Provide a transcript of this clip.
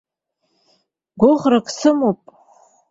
Гәыӷрак сымоуп.